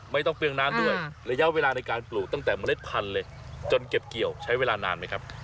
ไม่ต้องเปรี้ยงน้ำด้วยระยะเวลาในการปลูกตั้งแต่เมล็ดพันธุ์เลยจนเก็บเกี่ยวใช้เวลานานไหมครับ